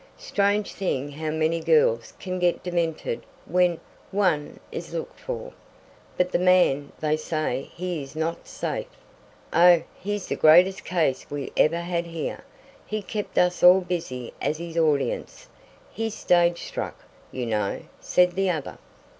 Strange thing how many girls can get demented when one is looked for. But the man they say he is not safe." "Oh, he's the greatest case we ever had here. He kept us all busy as his audience. He's stage struck, you know," said the other.